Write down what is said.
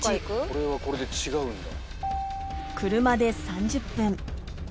これはこれで違うんだ。